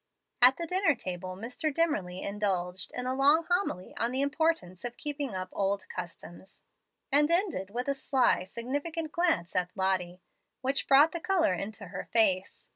At the dinner table Mr. Dimmerly indulged in a long homily on the importance of keeping up old customs, and ended with a sly, significant glance at Lottie, which brought the color into her face.